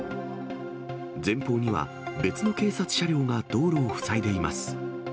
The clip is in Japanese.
前方には、別の警察車両が道路を塞いでいます。